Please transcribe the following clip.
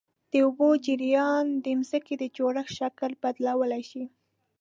د اوبو جریان د ځمکې د جوړښت شکل بدلولی شي.